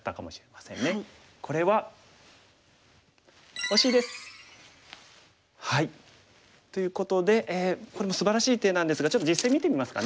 これは。ということでこれもすばらしい手なんですがちょっと実戦見てみますかね。